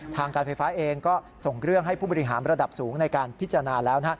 ทางการไฟฟ้าเองก็ส่งเรื่องให้ผู้บริหารระดับสูงในการพิจารณาแล้ว